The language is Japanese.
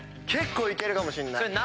結構いけるかもしれない。